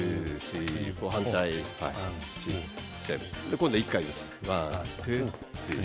今度は１回ずつ。